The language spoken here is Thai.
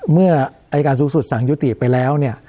เมื่ออายการสูงสุดสั่งยุติไปแล้วเนี่ย